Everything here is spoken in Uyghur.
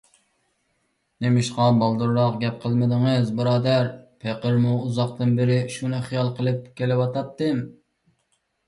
نېمىشقا بالدۇرراق گەپ قىلمىدىڭىز بۇرادەر؟ پېقىرمۇ ئۇزاقتىن بېرى شۇنى خىيال قىلىپ كېلىۋاتاتتىم.